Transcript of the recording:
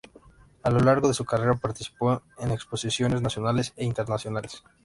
A lo largo de su carrera participó en exposiciones nacionales e internacionales.